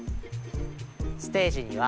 ステージには西郷